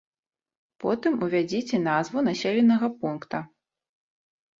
Потым увядзіце назву населенага пункта.